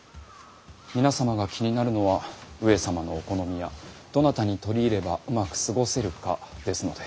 皆様が気になるのは上様のお好みやどなたに取り入ればうまく過ごせるかですので。